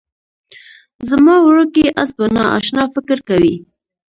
زما وړوکی اس به نا اشنا فکر کوي